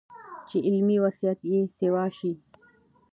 چې علمي وسعت ئې سېوا شي